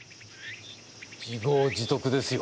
自業自得ですよ。